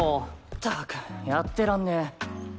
ったくやってらんね。